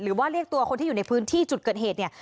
หรือว่าเรียกตัวคนที่อยู่ในพื้นที่จุดเกิดเหตุเนี่ย